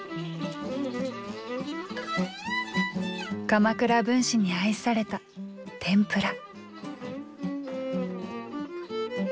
鎌倉文士に愛された天ぷら。